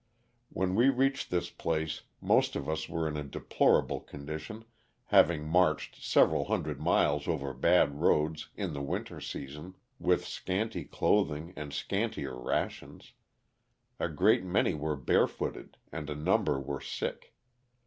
When we reached this place most of us were in a deplorable condition, having marched several hundred miles over bad roads, in the winter season, with scanty clothing and scantier rations ; a great many were bare footed, and a number were sick.